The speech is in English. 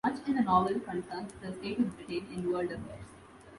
Much in the novel concerns the state of Britain in world affairs.